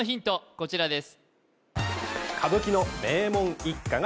こちらです